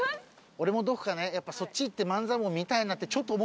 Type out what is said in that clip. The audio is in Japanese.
俺もどこかねやっぱそっち行って万座毛見たいなってちょっと思ってた。